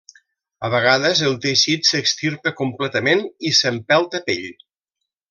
A vegades, el teixit s'extirpa completament i s'empelta pell.